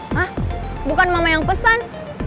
hah bukan mama yang pesan